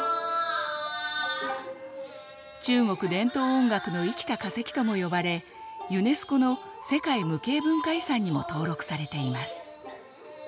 「中国伝統音楽の生きた化石」とも呼ばれユネスコの世界無形文化遺産にも登録されています。